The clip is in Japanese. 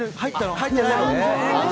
入ってないの？